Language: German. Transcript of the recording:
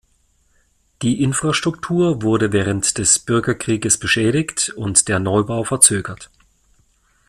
Die Infrastruktur wurde während des Bürgerkrieges beschädigt und der Neubau verzögert.